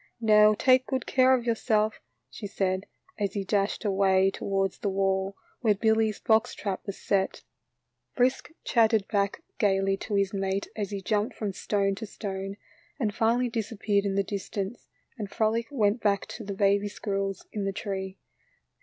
"Now take good care of yourself," she said, as he dashed away towards the wall where Billy's box trap was set. Frisk chat 70 THE LITTLE FORESTERS. terecl back gayly to his mate as he jumped from stone to stone and finally disappeared in the distance, and Frolic went back to the baby squirrels in the tree.